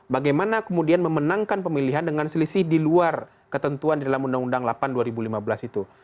bagaimana kemudian memenangkan pemilihan dengan selisih di luar ketentuan di dalam undang undang delapan dua ribu lima belas itu